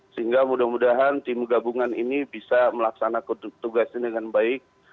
sehingga mudah mudahan tim gabungan ini bisa melaksanakan tugas ini dengan baik